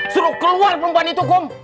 suruh keluar perempuan itu bom